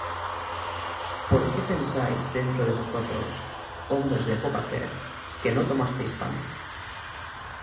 ¿Por qué pensáis dentro de vosotros, hombres de poca fe, que no tomasteis pan?